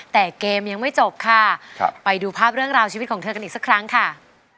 แต่เกมยังไม่จบค่ะไปดูภาพเรื่องราวชีวิตของเธอกันอีกสักครั้งค่ะ